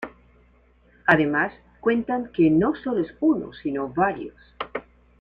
Además, cuentan que no solo es uno, sino varios.